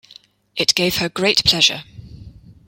It gave her great pleasure.